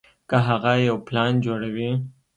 کۀ هغه يو پلان جوړوي